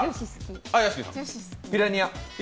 ピラニア。